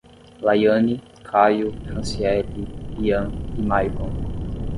Laiane, Kaio, Francieli, Ryan e Maycon